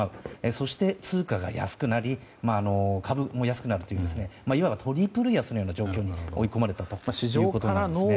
そして通貨が安くなり株も安くなるといういわばトリプル安のような状況に追い込まれたんですね。